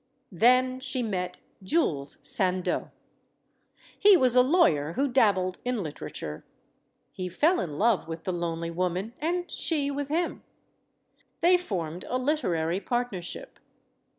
Then she met Jules Sandeau. He was a lawyer who dabbled in literature. He fell in love with the lonely woman and she with him. They formed a literary partnership.